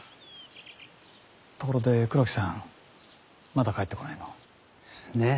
ところで黒木さんまだ帰ってこないの？ねぇ。